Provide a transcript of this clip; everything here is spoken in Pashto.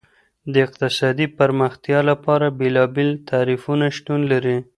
د اقتصادي پرمختيا لپاره بېلابېل تعريفونه شتون لري.